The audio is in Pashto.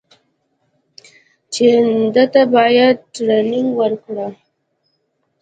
چې ده ته بايد ټرېننگ ورکړو.